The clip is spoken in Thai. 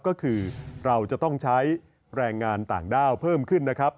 ก็คือเราจะต้องใช้แรงงานต่างด้าวเพิ่มขึ้นนะครับ